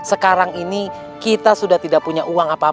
sekarang ini kita sudah terima uangnya sama haji badrun